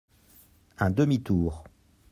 Un demi-tour.